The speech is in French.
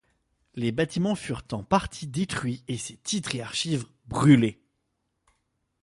Les bâtiments furent en partie détruits et ses titres et archives brûlés.